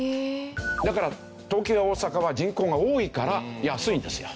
だから東京や大阪は人口が多いから安いんですよ。